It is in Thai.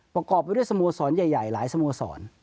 ประกอบไปด้วยสโมสรใหญ่หลายสโมสร